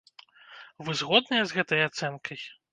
Вы згодныя з гэтай ацэнкай?